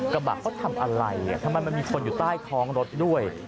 กระบะเขาทำอะไรทำไมมันมีคนอยู่ใต้ท้องรถด้วย